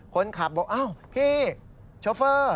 คนขับบอกพี่ชอเฟอร์